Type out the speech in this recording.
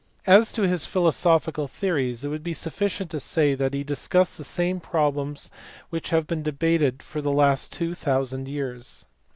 As to his philosophical theories, it will be sufficient to say that he discussed the same problems which have been debated for the last two thousand years.